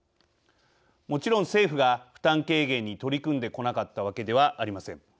もちろん政府が負担軽減に取り組んでこなかったわけではありません。